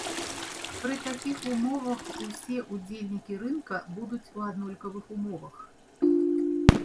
Пры такіх умовах усе ўдзельнікі рынка будуць у аднолькавых умовах.